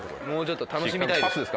もうちょっと楽しみたい。